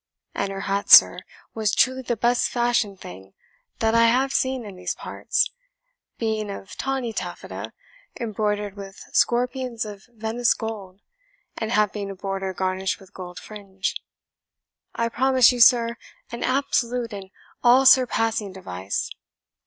And her hat, sir, was truly the best fashioned thing that I have seen in these parts, being of tawny taffeta, embroidered with scorpions of Venice gold, and having a border garnished with gold fringe I promise you, sir, an absolute and all surpassing device.